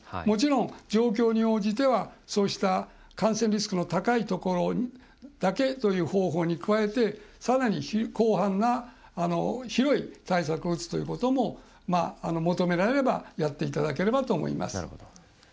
もちろん、状況に応じてはそうした感染リスクの高いところだけという方法に加えてさらに広範な広い対策を打つことも求められればやっていただければと思います。